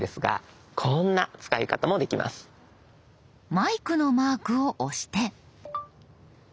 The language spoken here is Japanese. マイクのマークを押して。